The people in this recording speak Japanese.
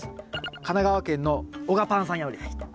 神奈川県のおがぱんさんより。